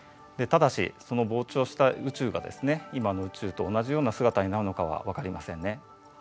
ただしその膨張した宇宙がですね今の宇宙と同じような姿になるのかは分かりませんね。